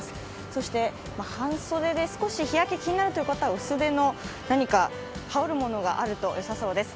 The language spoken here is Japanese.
そして半袖で少し日焼けが気になるという方は、薄手の何か羽織るものがあるとよさそうです。